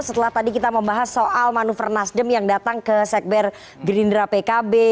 setelah tadi kita membahas soal manuver nasdem yang datang ke sekber gerindra pkb